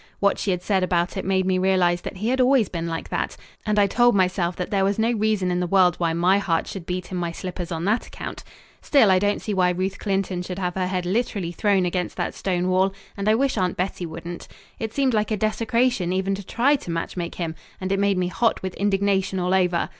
What she had said about it made me realise that he had always been like that, and I told myself that there was no reason in the world why my heart should beat in my slippers on that account. Still I don't see why Ruth Clinton should have her head literally thrown against that stone wall, and I wish Aunt Bettie wouldn't. It seemed like a desecration even to try to match make him, and it made me hot with indignation all over.